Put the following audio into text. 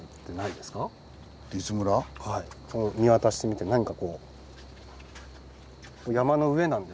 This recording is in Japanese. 見渡してみて何かこう。